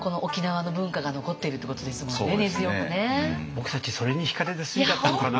僕たちそれにひかれて住んじゃったのかな。